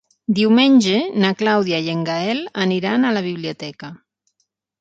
Diumenge na Clàudia i en Gaël aniran a la biblioteca.